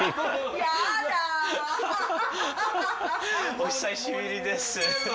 お久しぶりです。